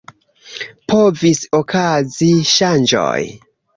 Povis okazi ŝanĝoj.